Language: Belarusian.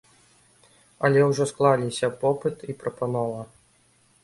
Але ўжо склаліся попыт і прапанова.